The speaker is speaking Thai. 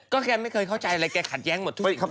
แกไม่เคยเข้าใจอะไรแกขัดแย้งหมดทุกคำ